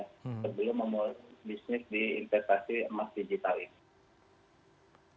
sebelum memulai bisnis di investasi emas digital ini